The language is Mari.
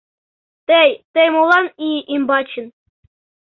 — Тый... тый молан ий ӱмбачын?..